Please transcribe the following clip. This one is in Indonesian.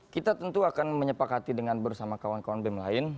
kita tentu akan menyepak hati dengan bersama kawan kawan bim lain